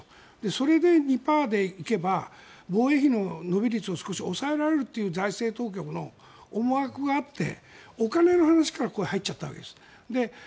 それで２％でいけば防衛費の伸び率を少し抑えられるという財政当局の思惑があってお金の話からここへ入っちゃったわけです。